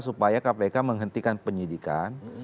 supaya kpk menghentikan penyidikan